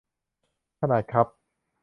ขนาดคัพ